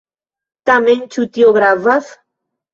Tamen, ĉu tio gravas?